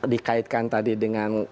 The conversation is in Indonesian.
dikaitkan tadi dengan